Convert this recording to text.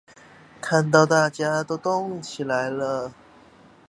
看到大家都動起來了